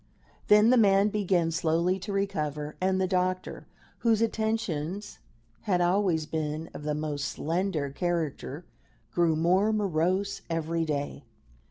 Then the man began slowly to recover, and the doctor, whose attentions had always been of the most slender character, grew more morose every day.